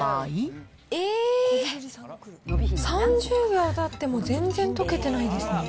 ３０秒たっても、全然溶けてないですね。